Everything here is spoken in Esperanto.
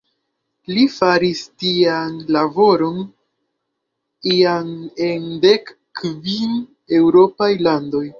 Li faris tian laboron iam en dek kvin eŭropaj landoj.